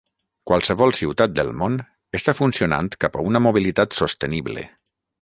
Qualsevol ciutat del món està funcionant cap a una mobilitat sostenible.